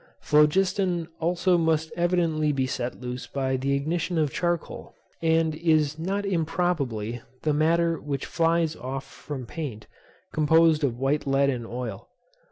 Phlogiston also must evidently be set loose by the ignition of charcoal, and is not improbably the matter which flies off from paint, composed of white lead and oil.